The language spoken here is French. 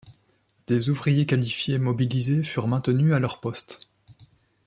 Des ouvriers qualifiés mobilisés furent maintenus à leur poste.